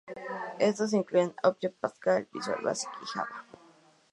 Estos incluían Object Pascal, Visual Basic y Java.